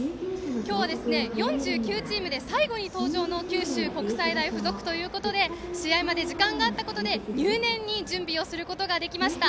今日は４９チームで最後に登場の九州国際大付属ということで試合まで時間があったことで入念に準備をすることができました。